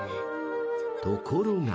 ［ところが］